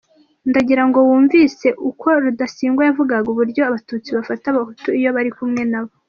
Ndagirango wumvise uko Rudasingwa yavugaga uburyo Abatutsi bafata abahutu iyo bari kumwe nabo.